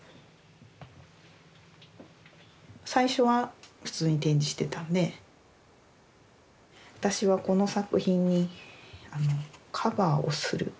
最初は普通に展示してたんで私はこの作品にカバーをするってことしたんです。